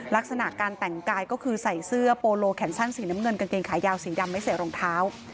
ลักษณะการแต่งกายก็คือใส่เสื้อโปโลแขนสั้นสีน้ำเงินกางเกงขายาวสีดำไม่ใส่รองเท้า